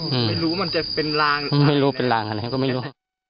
ไม่รู้มันจะเป็นลางไม่รู้เป็นลางอะไรก็ไม่รู้